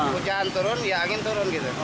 hujan turun ya angin turun gitu